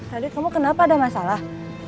tadi kamu kenapa ada masalah